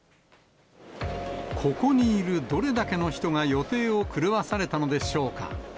ここにいるどれだけの人が、予定を狂わされたのでしょうか。